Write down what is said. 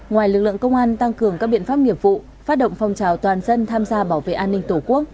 ngoài lực lượng công an tăng cường các biện pháp nghiệp vụ phát động phong trào toàn dân tham gia bảo vệ an ninh tổ quốc